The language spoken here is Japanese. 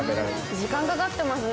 時間かかってますね。